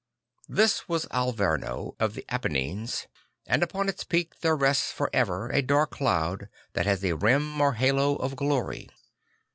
This was Alverno of the Apennines, and upon its peak there rests for ever a dark cloud that has a rim or halo of glory.